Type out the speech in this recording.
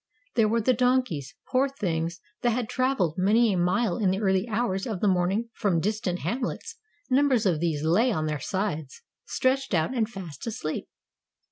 There were the donkeys, poor things, that had traveled many a mile in the early hours of the morning from distant hamlets; numbers of these lay on their sides, stretched out and fast asleep.